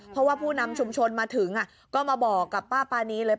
เพราะว่าผู้นำชุมชนมาถึงก็มาบอกกับป้าปานีเลย